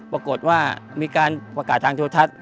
ปรากฏว่ามีการประกาศทางโทรทัศน์